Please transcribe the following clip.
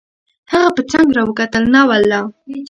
هغه په څنګ را وکتل: نه والله.